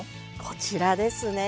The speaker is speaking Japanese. こちらですね。